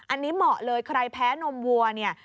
อันนี้เหมาะเลยใครแพ้นมวัวเนี่ย